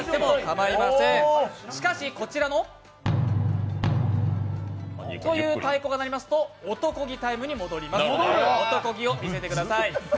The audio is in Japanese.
しかし、こちらの太鼓が鳴りますと男気タイムに戻ります、男気を見せてください。